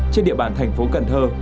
trên địa bàn thành phố cần thơ